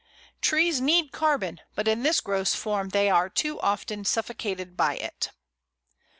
Trees need carbon, but in this gross form they are too often suffocated by it.